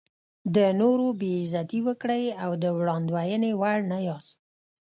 د نورو بې عزتي وکړئ او د وړاندوینې وړ نه یاست.